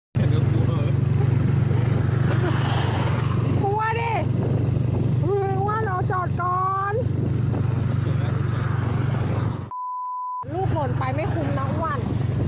โอ้โหมันไม่คุ้มมาไหนนั่งจับลูกกับมัน